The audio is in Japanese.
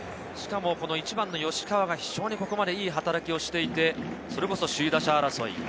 １番の吉川が非常にここまでいい働きをしていて、首位打者争い。